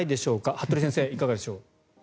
服部先生、いかがでしょう。